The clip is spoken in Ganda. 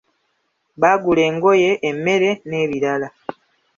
Baagula engoye, emmere n'ebirala.